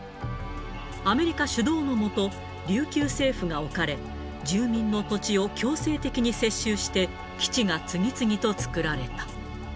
アメリカ主導の下、琉球政府が置かれ、住民の土地を強制的に接収して、基地が次々と作られた。